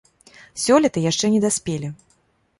Сёлета яшчэ не даспелі.